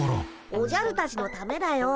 おじゃるたちのためだよ。